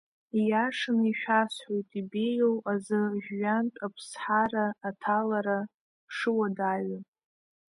Ииашаны ишәасҳәоит ибеиоу изы Жәҩантә Аԥсҳара аҭалара шуадаҩу.